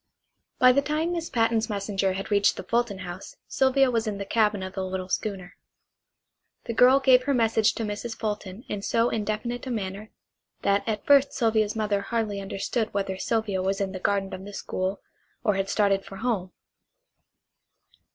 By the time Miss Patten's messenger had reached the Fulton house Sylvia was in the cabin of the little schooner. The girl gave her message to Mrs. Fulton in so indefinite a manner that at first Sylvia's mother hardly understood whether Sylvia was in the garden of the school, or had started for home.